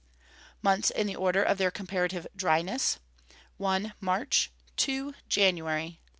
Months in the order of their comparative dryness: 1. March. 2. January.